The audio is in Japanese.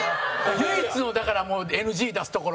唯一の、だからＮＧ出すところ。